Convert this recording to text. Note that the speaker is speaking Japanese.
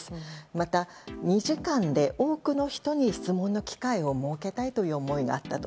また、２時間で多くの人に質問の機会を設けたいという思いがあったと。